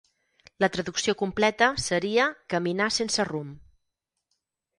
La traducció completa seria "caminar sense rumb".